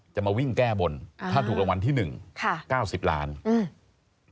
จะมาวิ่งแก้บนอ่าถ้าถูกรางวัลที่๑ค่ะ๙๐ล้านอืม